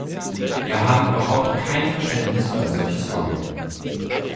Die haben überhaupt kein Verständnis für ein solches Vorgehen.